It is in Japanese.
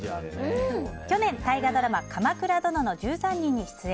去年、大河ドラマ「鎌倉殿の１３人」に出演。